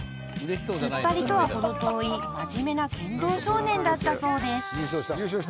［ツッパリとはほど遠い真面目な剣道少年だったそうです］